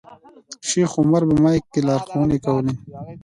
شیخ عمر په مایک کې لارښوونې کولې.